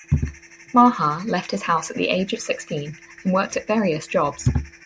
Maha left his house at the age of sixteen and worked at various jobs.